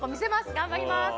頑張ります！